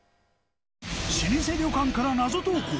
老舗旅館から謎投稿。